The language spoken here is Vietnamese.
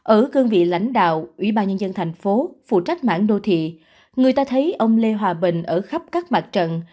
ở cương vị lãnh đạo ủy ban nhân dân thành phố phụ trách mạng đô thị người ta thấy ông lê hòa bình ở khắp các mặt trận